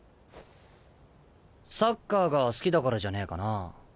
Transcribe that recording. サッカーが好きだからじゃねえかな。